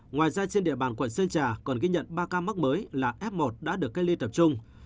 ngoài ra trên địa bàn quận sơn trà còn ghi nhận ba ca mắc mới là f một đã được cách ly tập trung